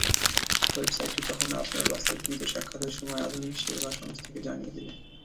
ওয়েবসাইটটি তখন আপনার বাছাইকৃত সাক্ষাতের সময় আধুনিক সেবা সংস্থাকে জানিয়ে দেবে।